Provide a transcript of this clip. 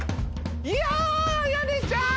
いや綾音ちゃん。